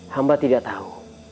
hamba tidak tahu